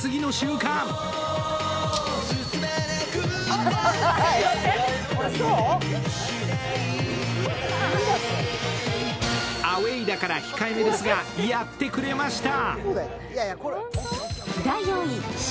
そしてもう１組アウェイだから控えめですが、やってくれました。